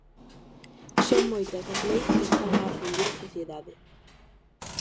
Son moitas as leis que están a afundir a sociedade.